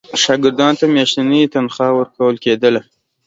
شاګردانو ته میاشتنی تنخوا ورکول کېدله.